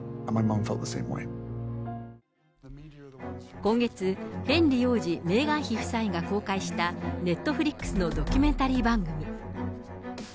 今月、ヘンリー王子、メーガン妃夫妻が公開した、ネットフリックスのドキュメンタリー番組。